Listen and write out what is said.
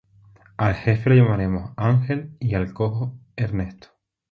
Al jefe lo llamaremos Ángel, y al cojo Ernesto.